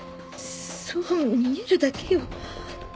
そう見えるだけよ。